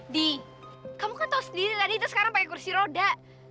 di kamu kan tahu sendiri tadi itu sekarang pakai kursi roda